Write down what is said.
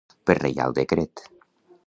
Per reial decret.